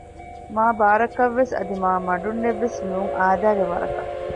މާބާރަކަށްވެސް އަދި މާމަޑުންނެއް ވެސް ނޫން އާދައިގެ ވަރަކަށް